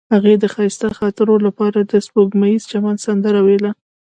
هغې د ښایسته خاطرو لپاره د سپوږمیز چمن سندره ویله.